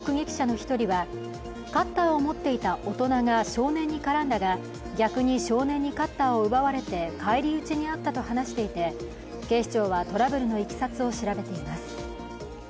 ＪＮＮに取材に対し目撃者の１人はカッターを持っていた大人が少年に絡んだが逆に少年にカッターを奪われて返り討ちにあったと話していて、警視庁はトラブルのいきさつを調べています。